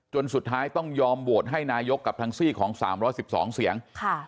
สุดท้ายต้องยอมโหวตให้นายกกับทางซี่ของ๓๑๒เสียง